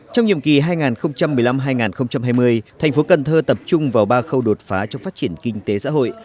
trong nhiệm kỳ hai nghìn một mươi năm hai nghìn hai mươi thành phố cần thơ tập trung vào ba khâu đột phá trong phát triển kinh tế xã hội